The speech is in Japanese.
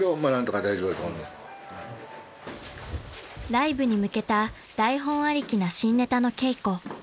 ［ライブに向けた台本ありきな新ネタの稽古］